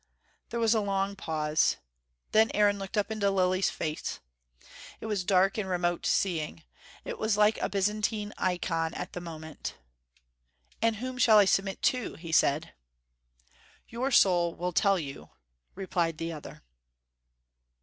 There was a long pause. Then Aaron looked up into Lilly's face. It was dark and remote seeming. It was like a Byzantine eikon at the moment. "And whom shall I submit to?" he said. "Your soul will tell you," replied the other.